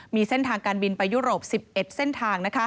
มีเส้นทางการบินไปยุโรป๑๑เส้นทาง